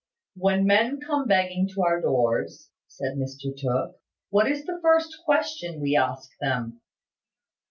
"When men come begging to our doors," said Mr Tooke, "what is the first question we ask them?"